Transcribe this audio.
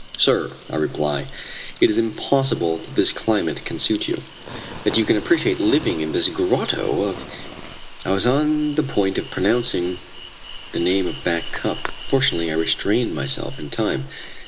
"Sir," I reply, "it is impossible that this climate can suit you, that you can appreciate living in this grotto of " I was on the point of pronouncing the name of Back Cup. Fortunately I restrained myself in time.